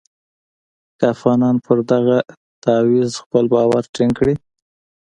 که افغانان پر دغه تعویض خپل باور ټینګ کړي.